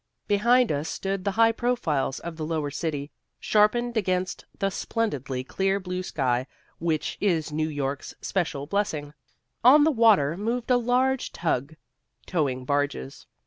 Behind us stood the high profiles of the lower city, sharpened against the splendidly clear blue sky which is New York's special blessing. On the water moved a large tug, towing barges.